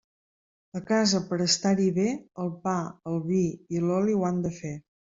A casa, per estar-hi bé, el pa, el vi i l'oli ho han de fer.